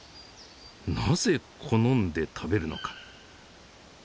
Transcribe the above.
なぜ好んで食べるのか。